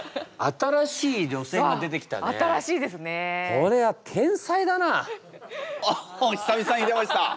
これはあっ久々に出ました。